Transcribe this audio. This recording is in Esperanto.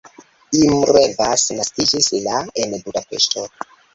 Imre Vas naskiĝis la en Budapeŝto.